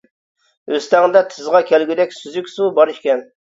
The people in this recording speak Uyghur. ئۆستەڭدە تىزغا كەلگۈدەك سۈزۈك سۇ بار ئىكەن.